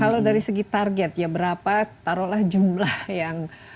kalau dari segi target ya berapa taruhlah jumlah yang